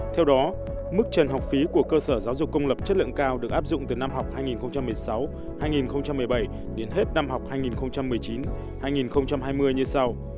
theo đó mức trần học phí của cơ sở giáo dục công lập chất lượng cao được áp dụng từ năm học hai nghìn một mươi sáu hai nghìn một mươi bảy đến hết năm học hai nghìn một mươi chín hai nghìn hai mươi như sau